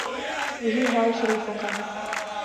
یہی حال شریفوں کا ہے۔